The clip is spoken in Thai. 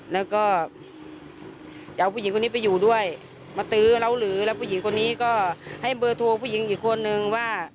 แล้วก็จะเอาผู้หญิงคนนี้ไปอยู่ด้วยมาตื้อเราหรือแล้วผู้หญิงคนนี้ก็ให้เบอร์โทรผู้หญิงอีกคนนึงว่า